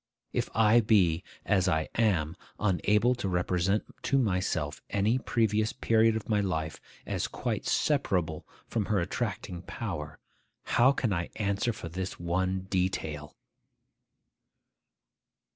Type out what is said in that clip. If I be (as I am) unable to represent to myself any previous period of my life as quite separable from her attracting power, how can I answer for this one detail?